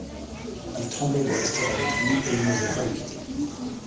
Ils tremblaient de rester avec lui, et ils n’osaient pas le quitter.